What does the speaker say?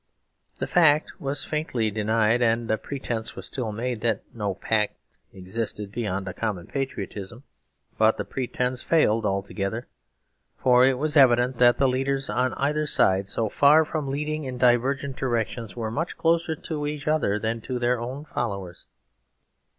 The fact was faintly denied, and a pretence was still made that no pact: existed beyond a common patriotism. But the pretence failed altogether; for it was evident that the leaders on either side, so far from leading in divergent directions, were much closer to each other than to their own followers.